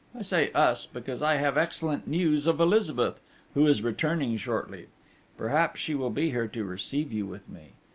I say 'us,' because I have excellent news of Elizabeth, who is returning shortly: perhaps she will be here to receive you with me.